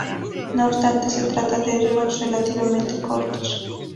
No obstante, se trata de ríos relativamente cortos.